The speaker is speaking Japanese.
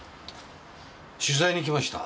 取材に来ました。